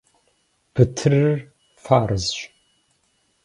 Бытырыр фарзщ.